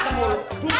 oh enggak bini gue